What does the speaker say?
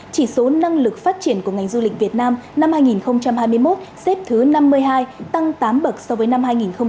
chỉ số năng lực phát triển của ngành du lịch việt nam năm hai nghìn hai mươi một xếp thứ năm mươi hai tăng tám bậc so với năm hai nghìn hai mươi hai